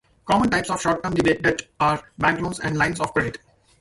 Common types of short-term debt are bank loans and lines of credit.